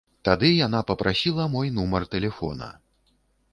Тады яна папрасіла мой нумар тэлефона.